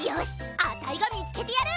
あたいがみつけてやる！